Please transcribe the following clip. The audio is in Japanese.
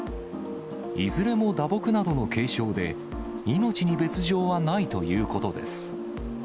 いずれも打撲などの軽傷で、命に別状はないということです。